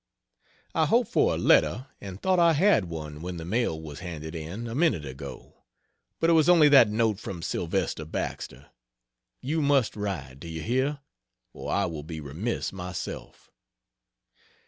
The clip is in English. I hoped for a letter, and thought I had one when the mail was handed in, a minute ago, but it was only that note from Sylvester Baxter. You must write do you hear? or I will be remiss myself.